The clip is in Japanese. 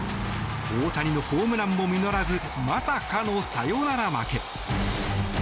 大谷のホームランも実らずまさかのサヨナラ負け。